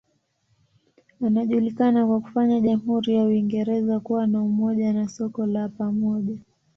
Anajulikana kwa kufanya jamhuri ya Uingereza kuwa na umoja na soko la pamoja.